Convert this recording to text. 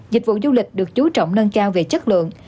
dịch vụ du lịch được chú trọng nâng cao về chất lượng